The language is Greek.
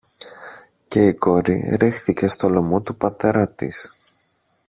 και η κόρη ρίχθηκε στο λαιμό του πατέρα της